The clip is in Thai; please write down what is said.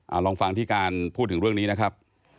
เอาลองฟังที่การพูดถึงเรื่องนี้นะครับ